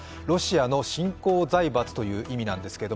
ロシアの新興財閥という意味です。